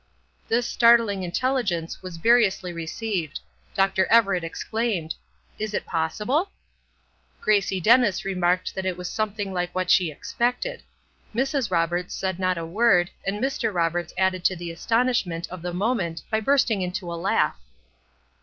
This startling intelligence was variously received. Dr. Everett exclaimed: "Is it possible?" Gracie Dennis remarked that it was something like what she had expected; Mrs. Roberts said not a word, and Mr. Roberts added to the astonishment of the moment by bursting into a laugh.